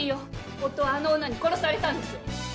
夫はあの女に殺されたんです。